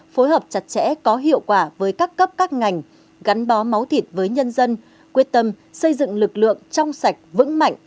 phối hợp chặt chẽ có hiệu quả với các cấp các ngành gắn bó máu thịt với nhân dân quyết tâm xây dựng lực lượng trong sạch vững mạnh